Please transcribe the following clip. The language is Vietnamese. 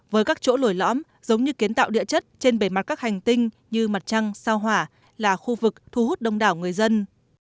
với các chỗ nổi lõm giống như kiến tạo địa chất trên bề mặt các hành tinh như mặt trăng sao hỏa là khu vực thu hút đông đảo người dân